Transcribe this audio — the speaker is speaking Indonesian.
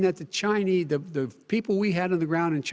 dia tahu itu adalah penyakit yang mampus